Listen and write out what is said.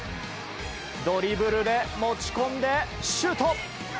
ドリブルで持ち込んでシュート。